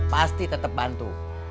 pasti tetep bantu